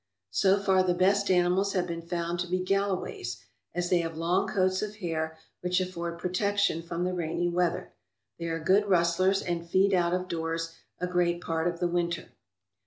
So far the best animals have been found to be Galloways, as they have long coats of hair which afford protection from the rainy weather. They are good rustlers and feed out of doors a great part of the winter.